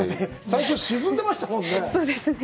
最初、沈んでましたもんね！